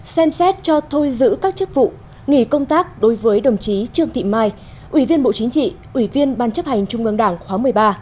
xem xét cho thôi giữ các chức vụ nghỉ công tác đối với đồng chí trương thị mai ủy viên bộ chính trị ủy viên ban chấp hành trung ương đảng khóa một mươi ba